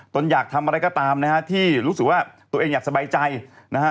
อยากทำอะไรก็ตามนะฮะที่รู้สึกว่าตัวเองอยากสบายใจนะฮะ